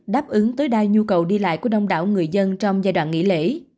đáp ứng tối đa nhu cầu đi lại của đông đảo người dân trong giai đoạn nghỉ lễ